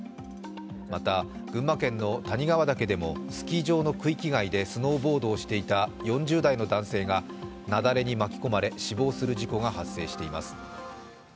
また、群馬県の谷川岳でもスキー場の区域外でスノーボードをしていた４０代の男性が雪崩に巻き込まれ死亡する事故が発生しています。